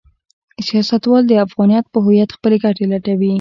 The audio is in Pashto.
سیاستوالان د افغانیت په هویت کې خپلې ګټې لټوي.